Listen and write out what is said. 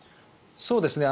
そうですね。